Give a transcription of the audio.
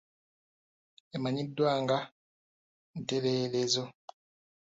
Emanyiddwa nga ntereerezo.